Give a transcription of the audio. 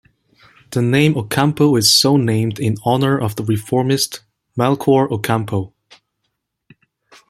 The name "Ocampo" is so named in honor of the reformist Melchor Ocampo.